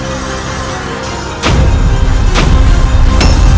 atau kau akan mati di tanganku